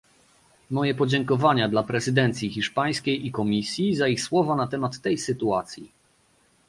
Moje podziękowania dla prezydencji hiszpańskiej i Komisji za ich słowa na temat tej sytuacji